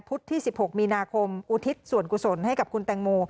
ที่๑๖มีนาคมอุทิศส่วนกุศลให้กับคุณแตงโม